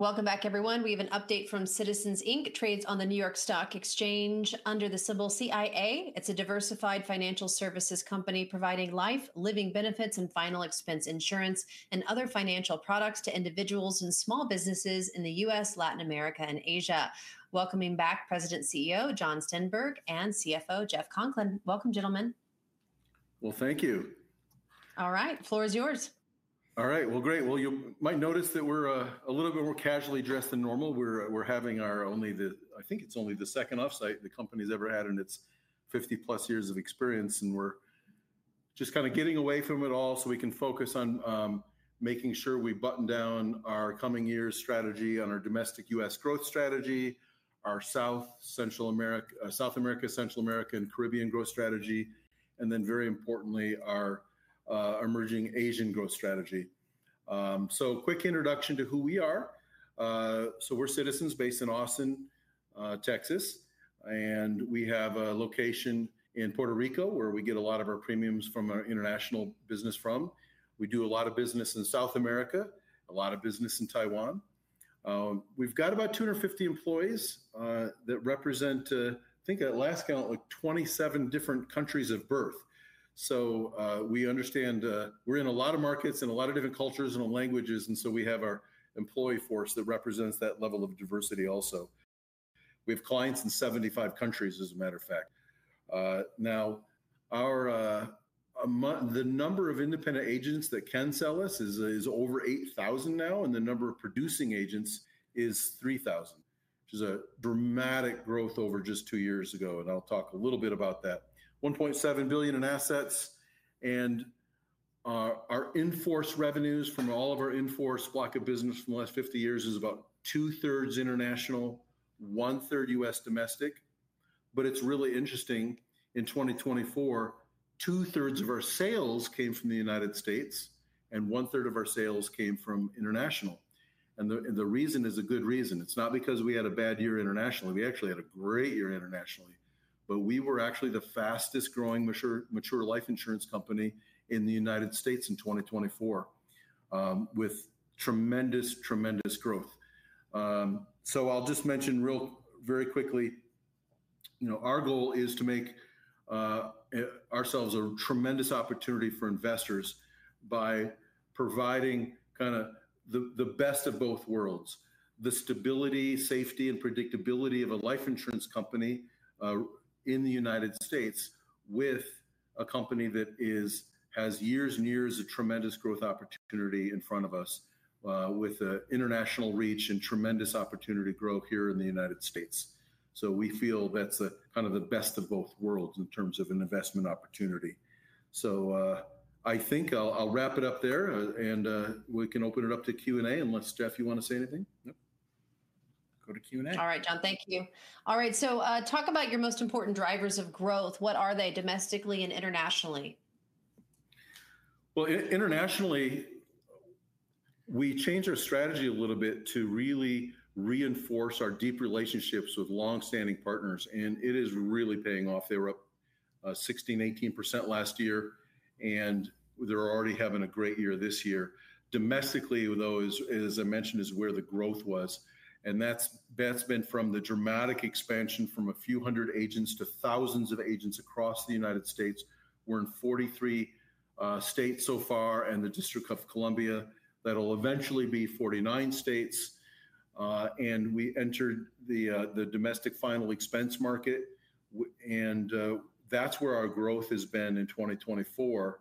Welcome back, everyone. We have an update from Citizens, Inc. Trades on the New York Stock Exchange under the symbol CIA. It's a diversified financial services company providing life, living benefits, and final expense insurance and other financial products to individuals and small businesses in the U.S., Latin America, and Asia. Welcoming back, President CEO Jon Stenberg and CFO Jeff Conklin. Welcome, gentlemen. Thank you. All right, floor is yours. All right, great. You might notice that we're a little bit more casually dressed than normal. We're having our only, I think it's only the second offsite the company's ever had in its 50-plus years of experience, and we're just kind of getting away from it all so we can focus on making sure we button down our coming year's strategy, on our domestic U.S. growth strategy, our South Central America, South America, Central America, and Caribbean growth strategy, and then, very importantly, our emerging Asian growth strategy. Quick introduction to who we are. We're Citizens based in Austin, Texas, and we have a location in Puerto Rico where we get a lot of our premiums from our international business from. We do a lot of business in South America, a lot of business in Taiwan. We've got about 250 employees that represent, I think at last count, like 27 different countries of birth. We understand we're in a lot of markets and a lot of different cultures and languages, and we have our employee force that represents that level of diversity also. We have clients in 75 countries, as a matter of fact. Now, the number of independent agents that can sell us is over 8,000 now, and the number of producing agents is 3,000, which is a dramatic growth over just two years ago, and I'll talk a little bit about that. $1.7 billion in assets, and our in-force revenues from all of our in-force block of business from the last 50 years is about two-thirds international, one-third U.S. domestic. It's really interesting, in 2024, two-thirds of our sales came from the United States, and one-third of our sales came from international. The reason is a good reason. It's not because we had a bad year internationally. We actually had a great year internationally, but we were actually the fastest-growing mature life insurance company in the United States in 2024, with tremendous, tremendous growth. I'll just mention real very quickly, our goal is to make ourselves a tremendous opportunity for investors by providing kind of the best of both worlds: the stability, safety, and predictability of a life insurance company in the United States with a company that has years and years of tremendous growth opportunity in front of us, with international reach and tremendous opportunity to grow here in the United States. We feel that's kind of the best of both worlds in terms of an investment opportunity. I think I'll wrap it up there, and we can open it up to Q&A unless, Jeff, you want to say anything. Go to Q&A. All right, Jon, thank you. All right, talk about your most important drivers of growth. What are they domestically and internationally? Internationally, we changed our strategy a little bit to really reinforce our deep relationships with long-standing partners, and it is really paying off. They were up 16%-18% last year, and they're already having a great year this year. Domestically, though, as I mentioned, is where the growth was, and that's been from the dramatic expansion from a few hundred agents to thousands of agents across the United States. We're in 43 states so far and the District of Columbia. That'll eventually be 49 states. We entered the domestic final expense market, and that's where our growth has been in 2024.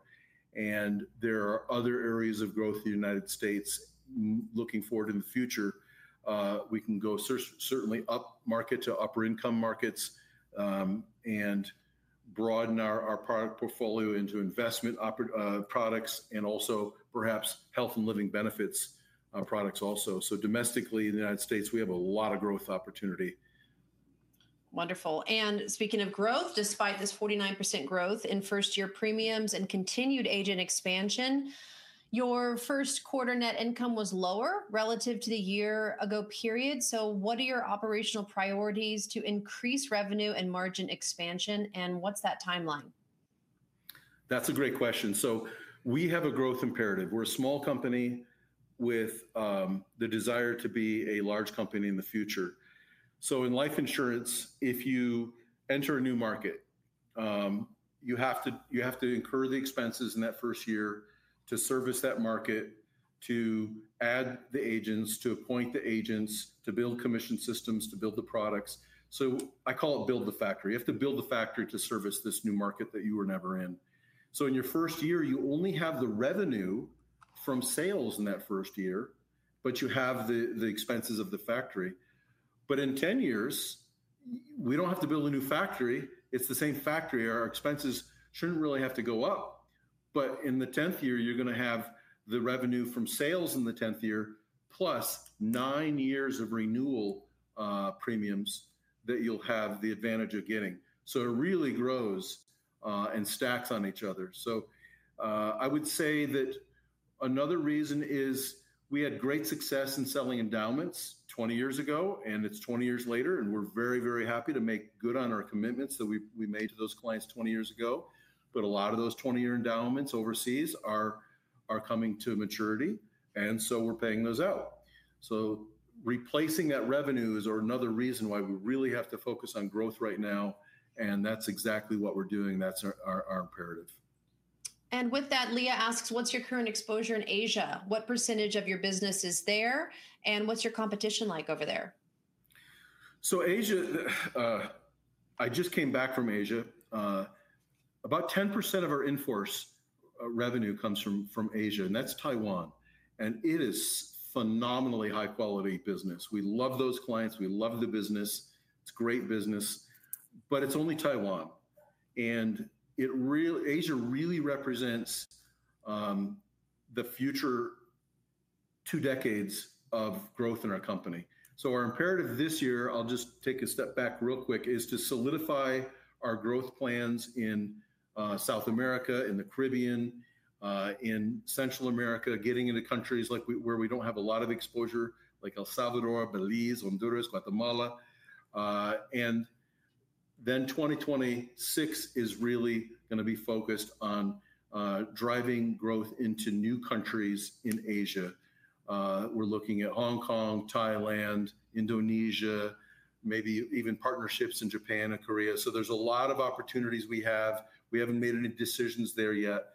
There are other areas of growth in the United States looking forward in the future. We can go certainly up market to upper-income markets and broaden our product portfolio into investment products, and also perhaps health and living benefits products also. Domestically in the United States, we have a lot of growth opportunity. Wonderful. Speaking of growth, despite this 49% growth in first-year premiums and continued agent expansion, your first-quarter net income was lower relative to the year-ago period. What are your operational priorities to increase revenue and margin expansion, and what's that timeline? That's a great question. We have a growth imperative. We're a small company with the desire to be a large company in the future. In life insurance, if you enter a new market, you have to incur the expenses in that first year to service that market, to add the agents, to appoint the agents, to build commission systems, to build the products. I call it build the factory. You have to build the factory to service this new market that you were never in. In your first year, you only have the revenue from sales in that first year, but you have the expenses of the factory. In 10 years, we don't have to build a new factory. It's the same factory. Our expenses shouldn't really have to go up. In the 10th year, you're going to have the revenue from sales in the 10th year, plus nine years of renewal premiums that you'll have the advantage of getting. It really grows and stacks on each other. I would say that another reason is we had great success in selling endowments 20 years ago, and it's 20 years later, and we're very, very happy to make good on our commitments that we made to those clients 20 years ago. A lot of those 20-year endowments overseas are coming to maturity, and we're paying those out. Replacing that revenue is another reason why we really have to focus on growth right now, and that's exactly what we're doing. That's our imperative. With that, Leah asks, what's your current exposure in Asia? What percentage of your business is there, and what's your competition like over there? Asia, I just came back from Asia. About 10% of our in-force revenue comes from Asia, and that's Taiwan. It is phenomenally high-quality business. We love those clients. We love the business. It's great business, but it's only Taiwan. Asia really represents the future two decades of growth in our company. Our imperative this year, I'll just take a step back real quick, is to solidify our growth plans in South America, in the Caribbean, in Central America, getting into countries where we don't have a lot of exposure, like El Salvador, Belize, Honduras, Guatemala. In 2026, it is really going to be focused on driving growth into new countries in Asia. We're looking at Hong Kong, Thailand, Indonesia, maybe even partnerships in Japan and Korea. There are a lot of opportunities we have. We haven't made any decisions there yet,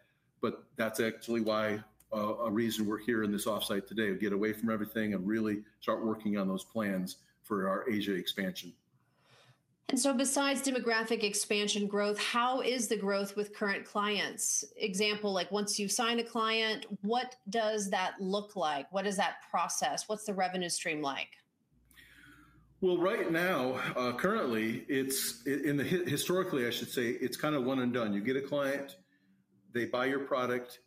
but that's actually why a reason we're here in this offsite today, get away from everything and really start working on those plans for our Asia expansion. Besides demographic expansion growth, how is the growth with current clients? Example, like once you sign a client, what does that look like? What is that process? What's the revenue stream like? Right now, currently, historically, I should say, it's kind of one and done. You get a client, they buy your product,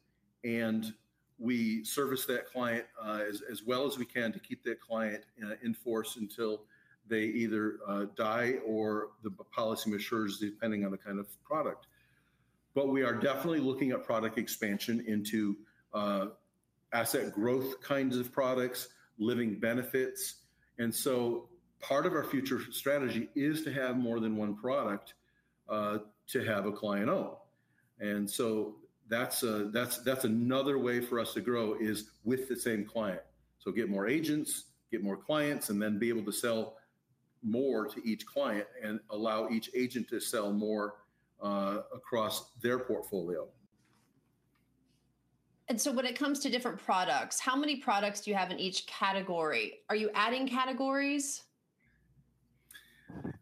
and we service that client as well as we can to keep that client in force until they either die or the policy matures, depending on the kind of product. We are definitely looking at product expansion into asset growth kinds of products, living benefits. Part of our future strategy is to have more than one product to have a client own. That's another way for us to grow is with the same client. Get more agents, get more clients, and then be able to sell more to each client and allow each agent to sell more across their portfolio. When it comes to different products, how many products do you have in each category? Are you adding categories?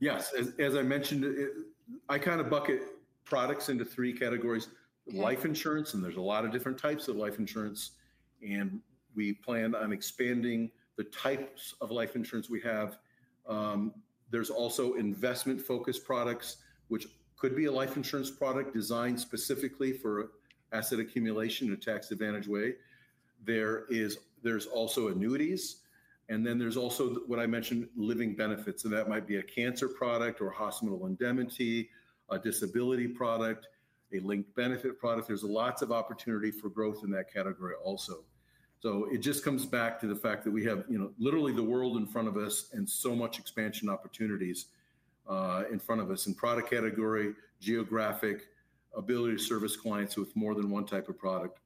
Yes. As I mentioned, I kind of bucket products into three categories: life insurance, and there's a lot of different types of life insurance, and we plan on expanding the types of life insurance we have. There's also investment-focused products, which could be a life insurance product designed specifically for asset accumulation in a tax-advantaged way. There's also annuities, and then there's also what I mentioned, living benefits. That might be a cancer product or hospital indemnity, a disability product, a linked benefit product. There's lots of opportunity for growth in that category also. It just comes back to the fact that we have literally the world in front of us and so much expansion opportunities in front of us in product category, geographic, ability to service clients with more than one type of product.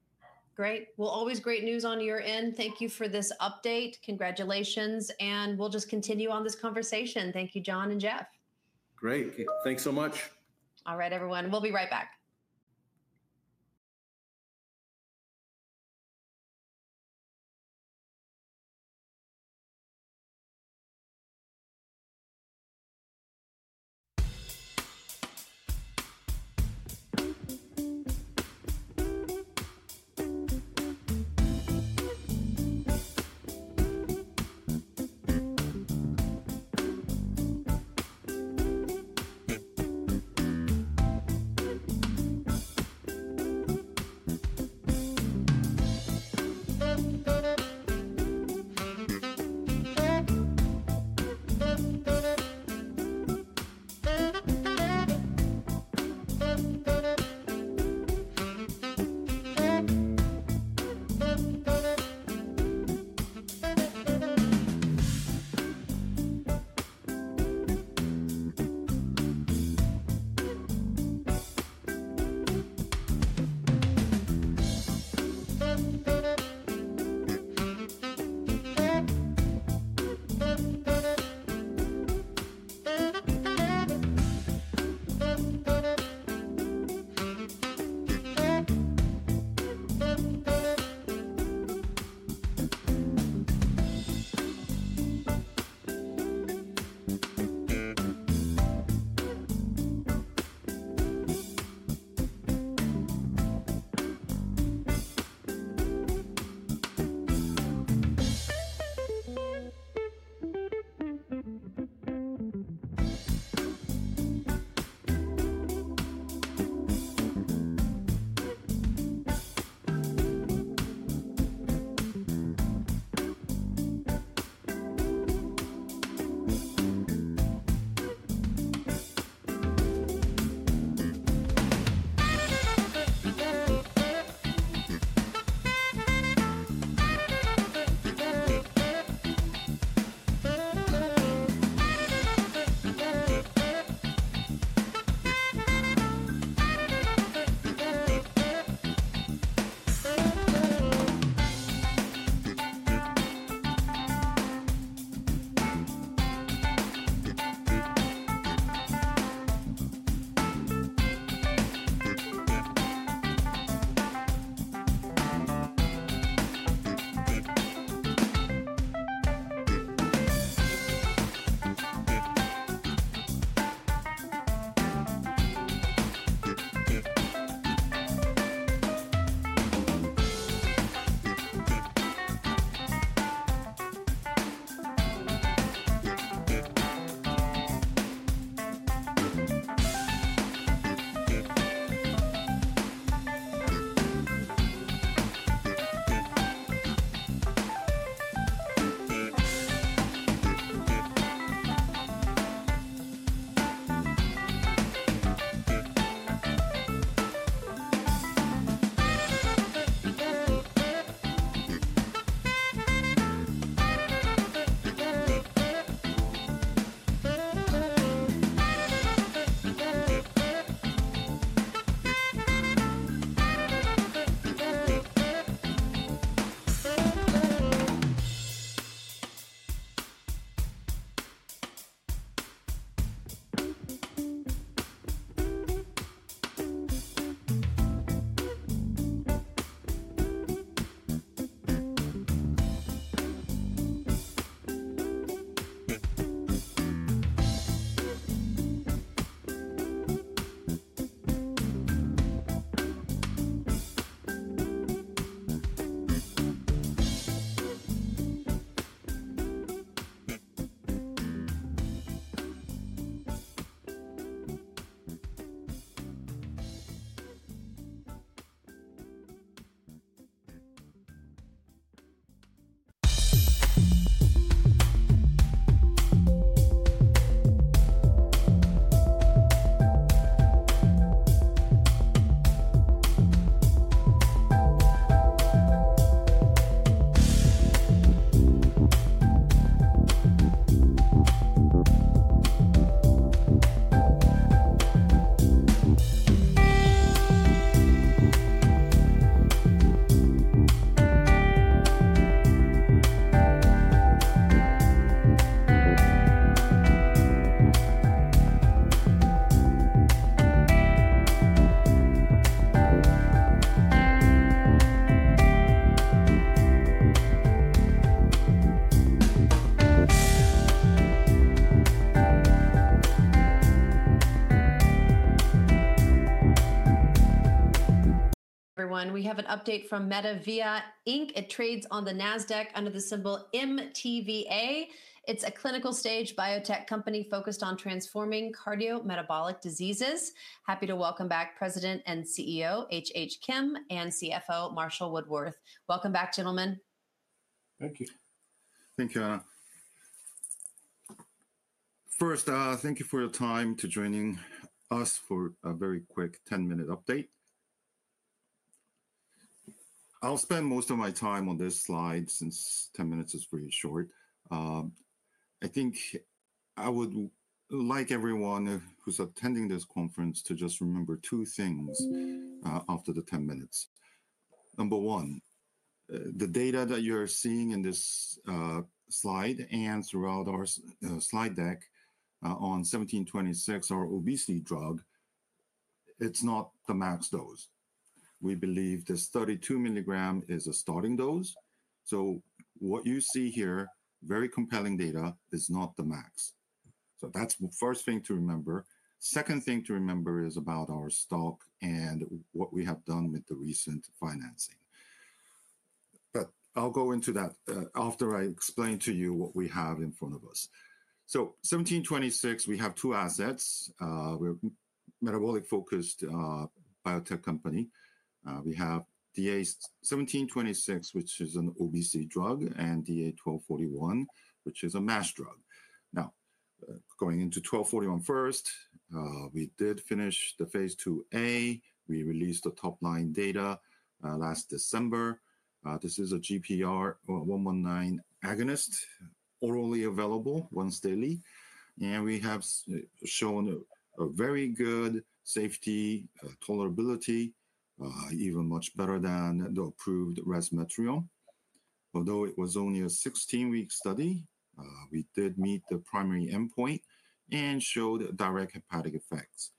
Great. Always great news on your end. Thank you for this update. Congratulations. We'll just continue on this conversation. Thank you, Jon and Jeff. Great. Thanks so much. All right, everyone. We'll be right back. Everyone, we have an update from MetaVia Inc. It trades on the Nasdaq under the symbol MTVA. It's a clinical-stage biotech company focused on transforming cardiometabolic diseases. Happy to welcome back President and CEO H.H. Kim and CFO Marshall Woodworth. Welcome back, gentlemen. Thank you. Thank you, Anna. First, thank you for your time to joining us for a very quick 10-minute update. I'll spend most of my time on this slide since 10 minutes is pretty short. I think I would like everyone who's attending this conference to just remember two things after the 10 minutes. Number one, the data that you're seeing in this slide and throughout our slide deck on 1726, our obesity drug, it's not the max dose. We believe this 32 milligram is a starting dose. What you see here, very compelling data, is not the max. That's the first thing to remember. The second thing to remember is about our stock and what we have done with the recent financing. I'll go into that after I explain to you what we have in front of us. 1726, we have two assets. We're a metabolic-focused biotech company. We have DA-1726, which is an obesity drug, and DA-1241, which is a MASH drug. Now, going into 1241 first, we did finish the phase IIA. We released the top-line data last December. This is a GPR119 agonist, orally available once daily. We have shown a very good safety, tolerability, even much better than the approved res material. Although it was only a 16-week study, we did meet the primary endpoint and showed direct hepatic effects.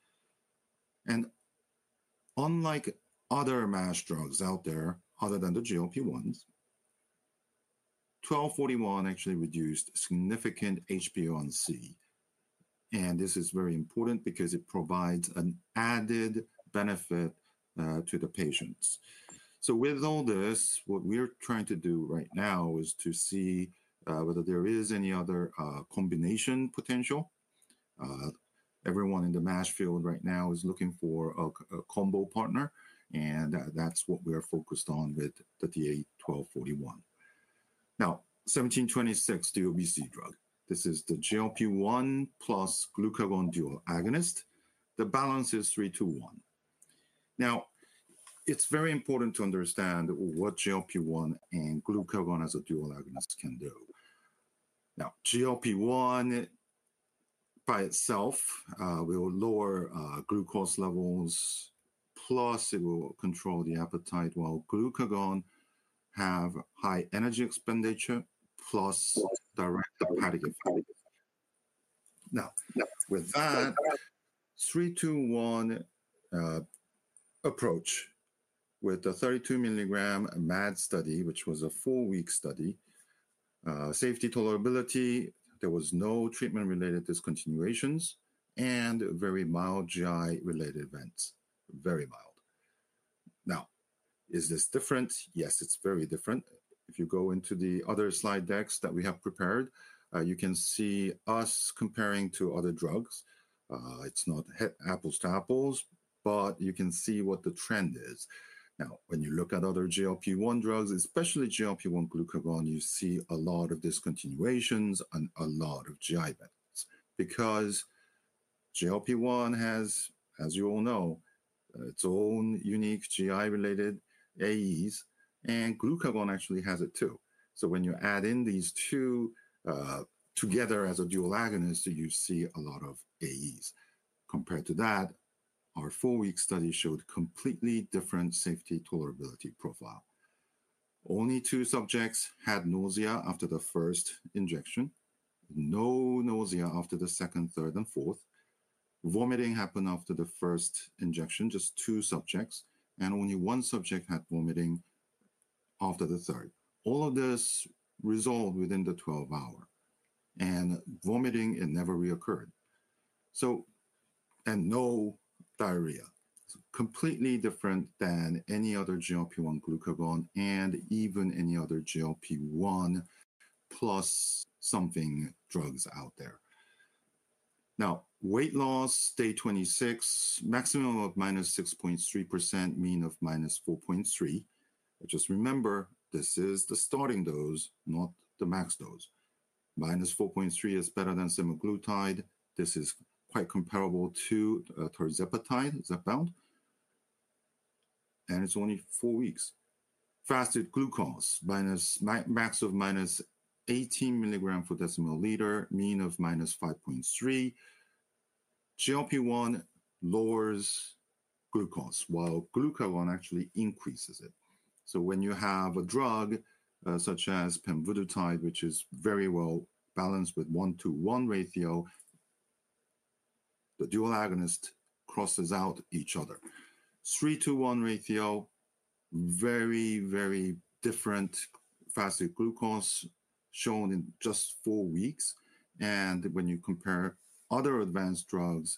Unlike other MASH drugs out there, other than the GLP-1s, 1241 actually reduced significant HbA1c. This is very important because it provides an added benefit to the patients. With all this, what we're trying to do right now is to see whether there is any other combination potential. Everyone in the MASH field right now is looking for a combo partner, and that's what we are focused on with the DA-1241. Now, 1726, the obesity drug, this is the GLP-1 plus glucagon dual agonist. The balance is 3:2:1. Now, it's very important to understand what GLP-1 and glucagon, as a dual agonist, can do. Now, GLP-1 by itself will lower glucose levels, plus it will control the appetite, while glucagon has high energy expenditure, plus direct hepatic effect. Now, with that, 3:2:1 approach with the 32 mg MAD study, which was a four-week study, safety tolerability, there was no treatment-related discontinuations, and very mild GI-related events, very mild. Now, is this different? Yes, it's very different. If you go into the other slide decks that we have prepared, you can see us comparing to other drugs. It's not apples to apples, but you can see what the trend is. Now, when you look at other GLP-1 drugs, especially GLP-1 glucagon, you see a lot of discontinuations and a lot of GI events because GLP-1 has, as you all know, its own unique GI-related AEs, and glucagon actually has it too. When you add in these two together as a dual agonist, you see a lot of AEs. Compared to that, our four-week study showed a completely different safety tolerability profile. Only two subjects had nausea after the first injection, no nausea after the second, third, and fourth. Vomiting happened after the first injection, just two subjects, and only one subject had vomiting after the third. All of this resolved within the 12-hour, and vomiting never reoccurred. No diarrhea. It's completely different than any other GLP-1 glucagon and even any other GLP-1 plus something drugs out there. Now, weight loss, day 26, maximum of -6.3%, mean of -4.3%. Just remember, this is the starting dose, not the max dose. -4.3% is better than semaglutide. This is quite comparable to tirzepatide, Zepbound, and it's only four weeks. Fasted glucose, max of -18 milligrams per deciliter, mean of -5.3. GLP-1 lowers glucose, while glucagon actually increases it. When you have a drug such as pemvidutide, which is very well balanced with 1:1 ratio, the dual agonist crosses out each other. 3:1 ratio, very, very different fasted glucose shown in just four weeks. When you compare other advanced drugs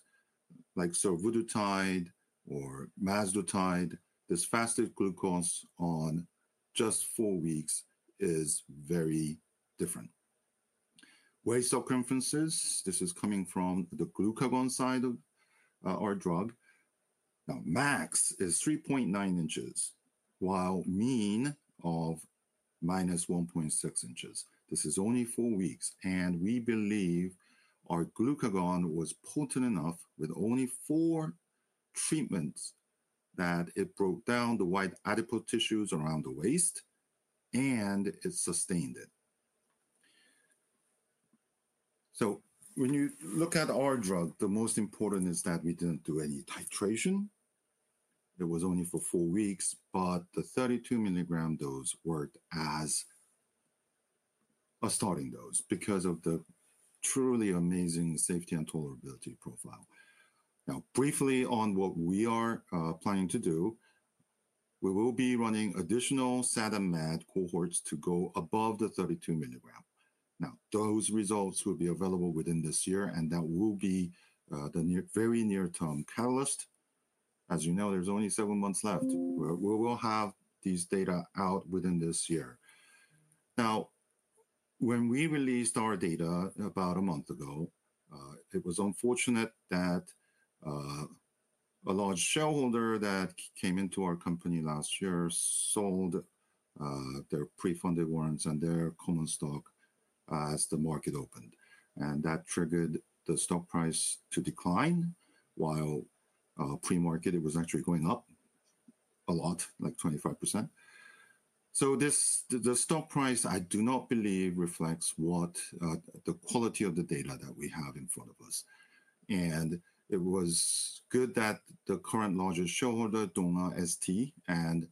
like survodutide or mazdutide, this fasted glucose on just four weeks is very different. Waste of conferences, this is coming from the glucagon side of our drug. Now, max is 3.9 inches, while mean of minus 1.6 inches. This is only four weeks, and we believe our glucagon was potent enough with only four treatments that it broke down the white adipose tissues around the waist, and it sustained it. When you look at our drug, the most important is that we didn't do any titration. It was only for four weeks, but the 32 milligram dose worked as a starting dose because of the truly amazing safety and tolerability profile. Now, briefly, on what we are planning to do, we will be running additional SAD and MAD cohorts to go above the 32 milligram. Those results will be available within this year, and that will be the very near-term catalyst. As you know, there's only seven months left. We will have these data out within this year. Now, when we released our data about a month ago, it was unfortunate that a large shareholder that came into our company last year sold their pre-funded warrants and their common stock as the market opened. That triggered the stock price to decline, while pre-market, it was actually going up a lot, like 25%. The stock price, I do not believe, reflects the quality of the data that we have in front of us. It was good that the current largest shareholder, Dong-A ST, and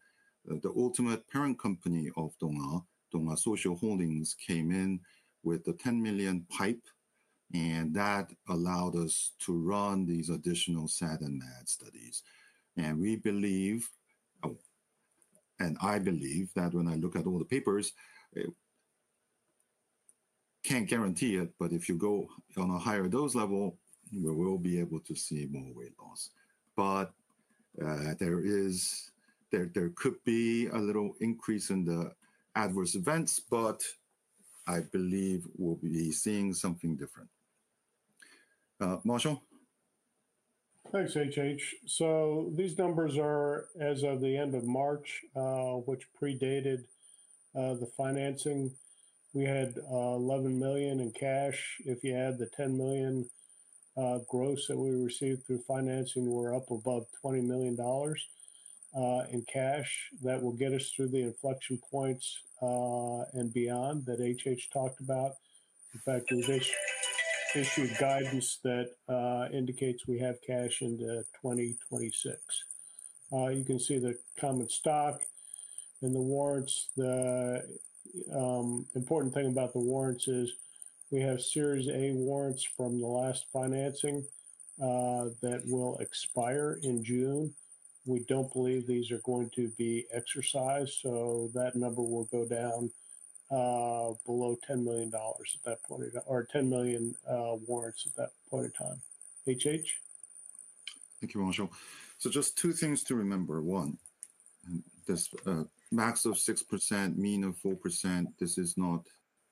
the ultimate parent company of Dong-A, Dong-A Socio Holdings, came in with the $10 million pipe, and that allowed us to run these additional SAD and MAD studies. We believe, and I believe that when I look at all the papers, I cannot guarantee it, but if you go on a higher dose level, we will be able to see more weight loss. There could be a little increase in the adverse events, but I believe we will be seeing something different. Marshall? Thanks, H.H. These numbers are as of the end of March, which predated the financing. We had $11 million in cash. If you add the $10 million gross that we received through financing, we're up about $20 million in cash. That will get us through the inflection points and beyond that H.H. talked about. In fact, this issue guidance that indicates we have cash into 2026. You can see the common stock and the warrants. The important thing about the warrants is we have Series A warrants from the last financing that will expire in June. We do not believe these are going to be exercised, so that number will go down below $10 million at that point, or 10 million warrants at that point in time. H.H.? Thank you, Marshall. Just two things to remember. One, this max of 6%, mean of 4%, this is not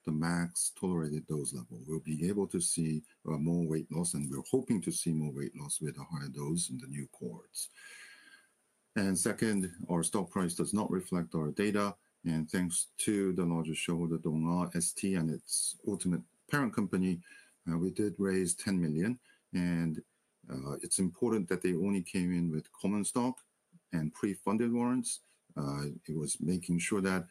the max tolerated dose level. We'll be able to see more weight loss, and we're hoping to see more weight loss with a higher dose in the new cohorts. Second, our stock price does not reflect our data. Thanks to the largest shareholder, Dong-A ST, and its ultimate parent company, we did raise $10 million. It's important that they only came in with common stock and pre-funded warrants. It was making sure that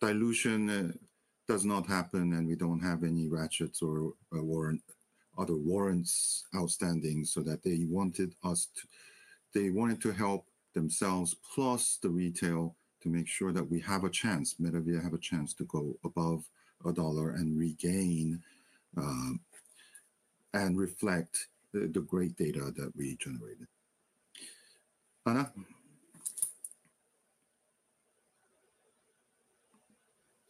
dilution does not happen, and we don't have any ratchets or other warrants outstanding, so that they wanted us to, they wanted to help themselves, plus the retail, to make sure that we have a chance, MetaVia have a chance to go above a dollar and regain and reflect the great data that we generated. Anna?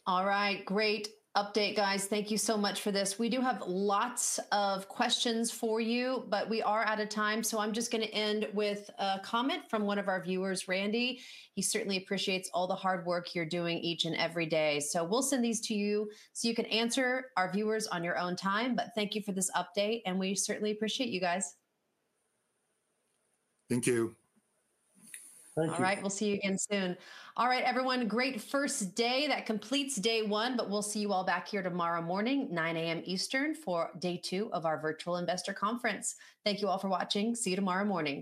All right, great update, guys. Thank you so much for this. We do have lots of questions for you, but we are out of time, so I'm just going to end with a comment from one of our viewers, Randy. He certainly appreciates all the hard work you're doing each and every day. We'll send these to you so you can answer our viewers on your own time, but thank you for this update, and we certainly appreciate you guys. Thank you. Thank you. All right, we'll see you again soon. All right, everyone, great first day. That completes day one, but we'll see you all back here tomorrow morning, 9:00 A.M. Eastern, for day two of our Virtual Investor conference. Thank you all for watching. See you tomorrow morning.